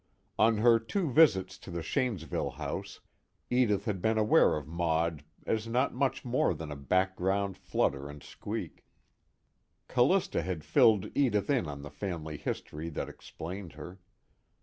On her two visits to the Shanesville house, Edith had been aware of Maud as not much more than a background flutter and squeak; Callista had filled Edith in on the family history that explained her.